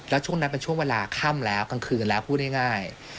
แล้วช่วงนั้นเป็นช่วงเวลาค่ำแล้วกลางคืนแล้วพูดง่าย